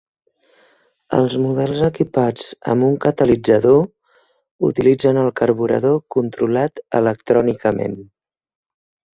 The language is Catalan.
Els models equipats amb un catalitzador utilitzen el carburador controlat electrònicament.